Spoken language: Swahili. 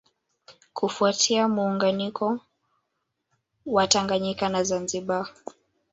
Kufuatia muunganiko wa Tanganyika na Zanzibar